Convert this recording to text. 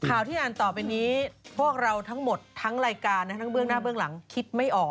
ข่าวที่อ่านต่อไปนี้พวกเราทั้งหมดทั้งรายการทั้งเบื้องหน้าเบื้องหลังคิดไม่ออก